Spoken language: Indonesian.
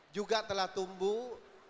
juga telah tumbuh